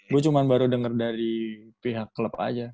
gue cuma baru dengar dari pihak klub aja